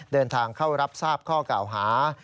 เดินทางเข้ารับทราบข้อกล่าวหา